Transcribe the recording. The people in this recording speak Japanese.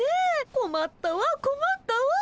こまったわこまったわ。